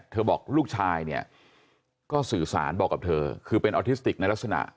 บอกลูกชายเนี่ยก็สื่อสารบอกกับเธอคือเป็นออทิสติกในลักษณะ